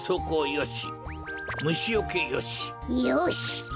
よし！